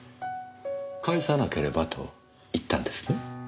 「返さなければ」と言ったんですね？